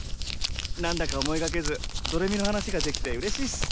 何だか思いがけず「どれみ」の話ができてうれしいっす。